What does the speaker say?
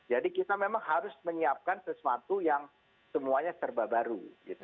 jadi kita memang harus menyiapkan sesuatu yang semuanya terbaharu